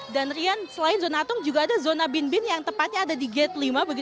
dan selain zona atung juga ada zona bin bin yang tepatnya ada di gate lima